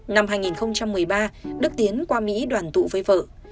năm hai nghìn một mươi ba đức tiến qua mỹ đoàn tụ với vợ